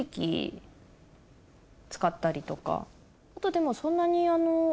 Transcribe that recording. あとでもそんなに。